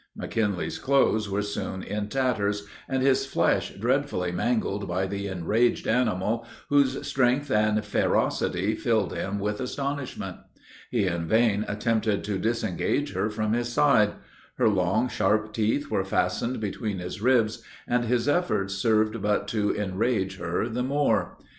McKinley's clothes were soon in tatters, and his flesh dreadfully mangled by the enraged animal, whose strength and ferocity filled him with astonishment. He in vain attempted to disengage her from his side. Her long, sharp teeth were fastened between his ribs, and his efforts served but to enrage her the more.